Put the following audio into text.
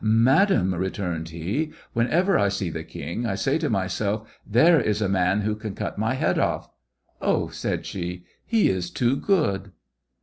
"Madame," returned he, '' whenever I see the king, I say to myself, there is a man who can cut my head off." " Oh !" sai(} ihe, "he is too good."